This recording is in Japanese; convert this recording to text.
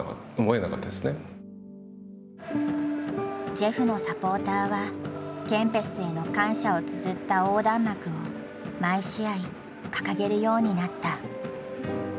ジェフのサポーターはケンペスへの感謝をつづった横断幕を毎試合掲げるようになった。